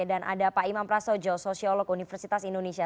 dan ada pak imam prasojo sosiolog universitas indonesia